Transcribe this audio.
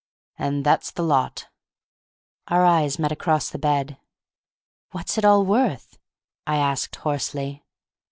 And that's the lot." Our eyes met across the bed. "What's it all worth?" I asked, hoarsely.